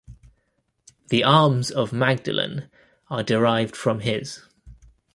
The arms of Magdalene are derived from his.